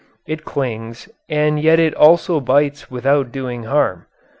It clings, and yet it also bites without doing harm.